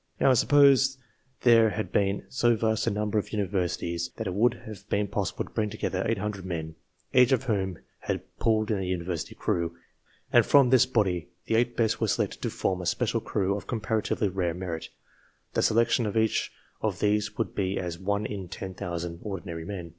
Now, suppose there had been so vast a number of universities that it would have been possible to bring together 800 men, each of whom had pulled in a University crew, and that from this body the eight best were selected to form a special crew of comparatively rare merit : the selection of each of these would be as 1 to 10,000 ordinary men.